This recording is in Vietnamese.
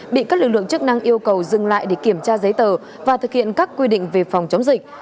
bị các lực lượng chức năng yêu cầu dừng lại để kiểm tra giấy tờ và thực hiện các quy định về phòng chống dịch